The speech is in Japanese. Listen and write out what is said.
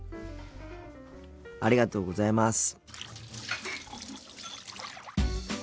ありがとうございます。